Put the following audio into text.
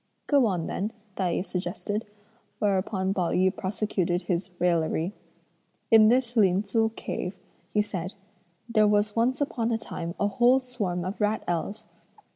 "Go on then," Tai yü suggested, whereupon Pao yü prosecuted his raillery. "In this Lin Tzu cave," he said, "there was once upon a time a whole swarm of rat elves.